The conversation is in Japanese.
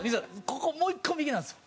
ここもう１個右なんですよ。